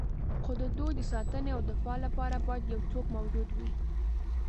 خو د دوی د ساتنې او دفاع لپاره باید یو څوک موجود وي.